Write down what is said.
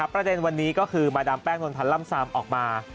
ประเด็นวันนี้ก็คือมาดามแป้งนวลพันธ์ล่ำซามออกมา